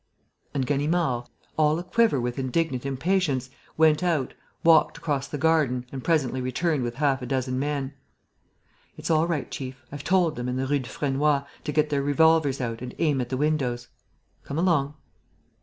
And Ganimard, all a quiver with indignant impatience, went out, walked across the garden and presently returned with half a dozen men: "It's all right, chief. I've told them, in the Rue Dufresnoy, to get their revolvers out and aim at the windows. Come along."